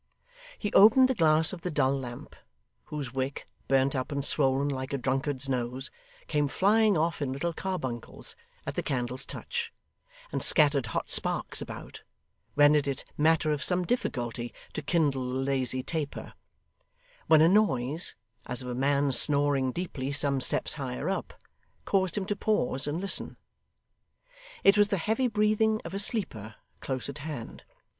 He opened the glass of the dull lamp, whose wick, burnt up and swollen like a drunkard's nose, came flying off in little carbuncles at the candle's touch, and scattering hot sparks about, rendered it matter of some difficulty to kindle the lazy taper; when a noise, as of a man snoring deeply some steps higher up, caused him to pause and listen. It was the heavy breathing of a sleeper, close at hand.